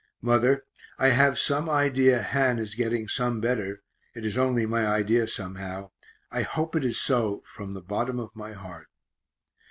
Mother, I have some idea Han is getting some better; it is only my idea somehow I hope it is so from the bottom of my heart.